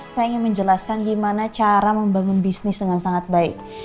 saya ingin menjelaskan gimana cara membangun bisnis dengan sangat baik